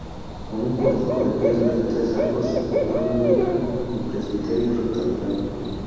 Con un pórtico de piedra de tres arcos, nave única, y presbiterio rectangular.